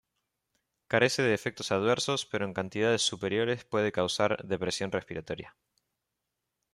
Carece de efectos adversos pero en cantidades superiores puede causar depresión respiratoria.